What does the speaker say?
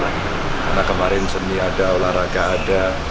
karena kemarin seni ada olahraga ada